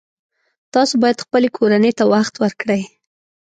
تاسو باید خپلې کورنۍ ته وخت ورکړئ